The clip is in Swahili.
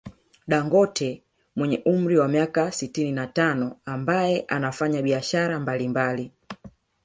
Dangote mwenye umri wa miaka sitini na tano ambaye anafanya biashara mbali mbali